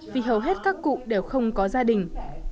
vì hầu hết các cụ đều không có gia đình